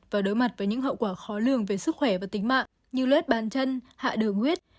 và đối mặt với những hậu quả khó lường về sức khỏe và tính mạng như lét bàn chân hạ đường huyết